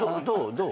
どう？